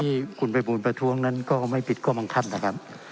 สิ่งที่คุณไปบูรณ์ประทวงนั้นก็ไม่ปิดก็บังคับนะครับ